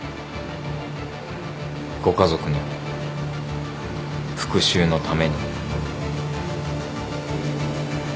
ご家族の復讐のために。